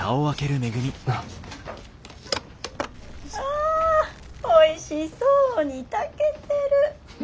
あおいしそうに炊けてる。